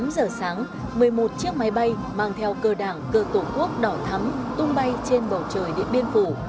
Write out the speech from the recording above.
tám giờ sáng một mươi một chiếc máy bay mang theo cờ đảng cờ tổ quốc đỏ thắm tung bay trên bầu trời điện biên phủ